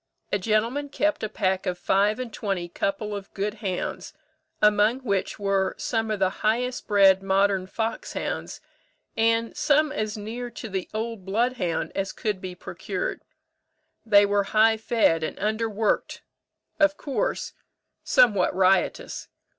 A gentleman kept a pack of five and twenty couple of good hounds, among which were some of the highest bred modern foxhounds, and some as near to the old bloodhound as could be procured. They were high fed and underworked; of course, somewhat riotous.